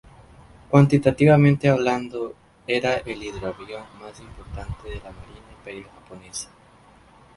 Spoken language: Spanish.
Cuantitativamente hablando era el hidroavión más importante de la Marina Imperial Japonesa.